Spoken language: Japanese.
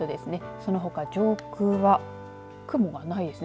そのほか上空は雲がないですね。